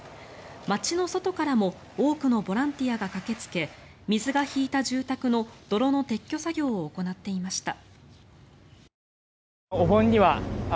町の外からも多くのボランティアが駆けつけ水が引いた住宅の泥の撤去作業を行っていました。